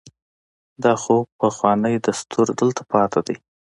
دا خو پخوانی دستور دلته پاتې دی.